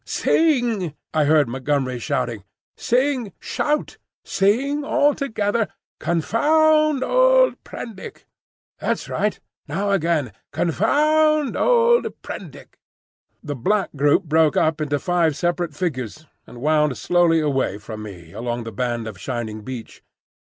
"Sing!" I heard Montgomery shout,—"sing all together, 'Confound old Prendick!' That's right; now again, 'Confound old Prendick!'" The black group broke up into five separate figures, and wound slowly away from me along the band of shining beach.